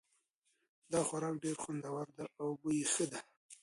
دا خوراک ډېر خوندور ده او بوی یې ښه ده